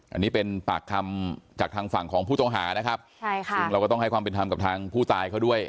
อันนี้เป็นปากคำจากทางฝั่งของผู้ต้องหานะครับใช่ค่ะซึ่งเราก็ต้องให้ความเป็นธรรมกับทางผู้ตายเขาด้วย